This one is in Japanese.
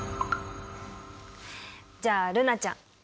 じゃあ瑠菜ちゃん